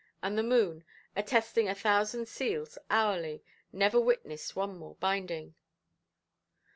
And the moon, attesting a thousand seals hourly, never witnessed one more binding.